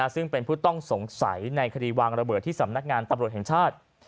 ซึ่งเป็นผู้ต้องสงสัยในคดีวางระเบิดที่สำนักงานตำรวจแห่งชาติ